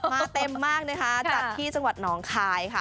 มาเต็มมากนะคะจัดที่จังหวัดหนองคายค่ะ